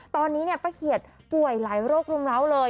ตอนนี้หพะเขียดป่วยหลายโรคนุ่มร้าวเลย